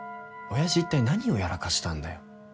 親父いったい何をやらかしたんだよ。